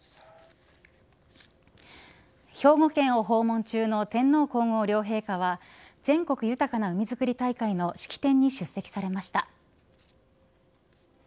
兵庫県を訪問中の天皇皇后両陛下は全国豊かな海づくり大会の式典に出席されました。